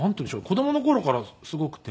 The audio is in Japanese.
子供の頃からすごくて。